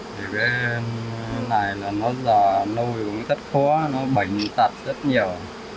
thì cái này là nó giờ nuôi cũng rất khó nó bệnh tật rất nhiều